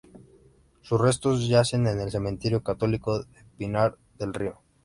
Sus restos yacen en el Cementerio Católico de Pinar del Río.